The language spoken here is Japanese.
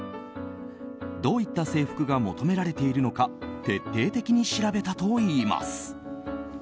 どういった制服がもとめられているのか徹底的に調べたといいます。